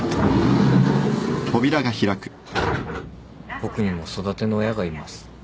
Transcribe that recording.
僕にも育ての親がいます。